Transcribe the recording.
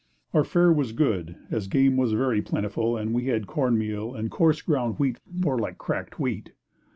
Our fare was good, as game was very plentiful and we had corn meal and a coarse ground wheat more like cracked wheat.